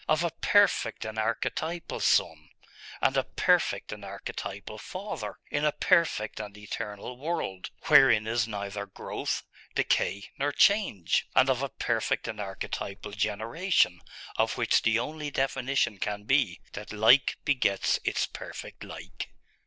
of a perfect and archetypal Son, and a perfect and archetypal Father, in a perfect and eternal world, wherein is neither growth, decay, nor change; and of a perfect and archetypal generation, of which the only definition can be, that like begets its perfect like?....